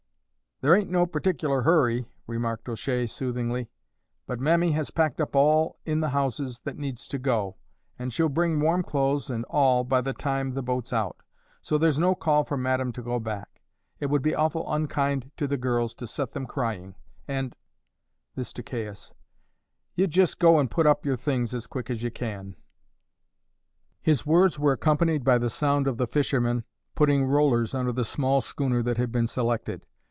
"There ain't no particular hurry," remarked O'Shea soothingly; "but Mammy has packed up all in the houses that needs to go, and she'll bring warm clothes and all by the time the boat's out, so there's no call for madame to go back. It would be awful unkind to the girls to set them crying; and" this to Caius "ye jist go and put up yer things as quick as ye can." His words were accompanied by the sound of the fishermen putting rollers under the small schooner that had been selected.